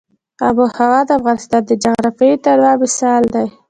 آب وهوا د افغانستان د جغرافیوي تنوع مثال دی.